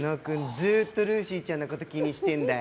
ずっとルーシーちゃんの事気にしてるんだよ。